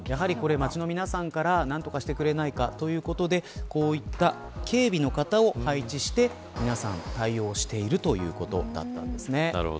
街の皆さんから、何とかしてくれないかという声があってこうした警備の方を配置して皆さん対応しているということです。